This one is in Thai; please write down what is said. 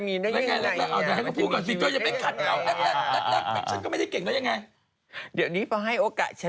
ไม่ต้องให้โอกาส